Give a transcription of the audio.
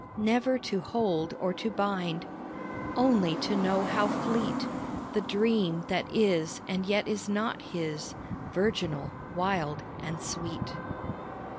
Never to hold or to bind Only to know how fleet The dream that is and yet is not his, Virginal wild and sweet.